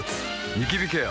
ニキビケア